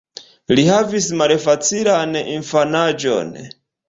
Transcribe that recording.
Li havis malfacilan infanaĝon.